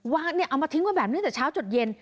วางเนี่ยเอามาทิ้งมาแบบนี้จากเช้าจดเย็น